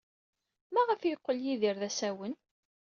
Maɣef ay yeqqel Yidir d asawen?